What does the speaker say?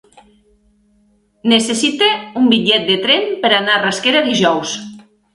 Necessito un bitllet de tren per anar a Rasquera dijous.